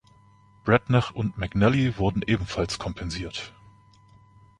Breatnach und McNally wurden ebenfalls kompensiert.